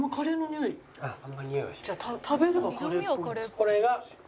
これが？